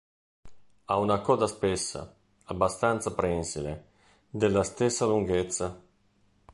Ha una coda spessa, abbastanza prensile, della stessa lunghezza.